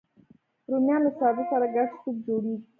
رومیان له سابه سره ګډ سوپ جوړوي